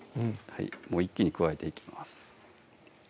もう一気に加えていきます